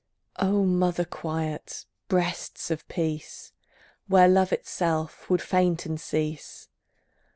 O mother quiet, breasts of peace, Where love itself would faint and cease!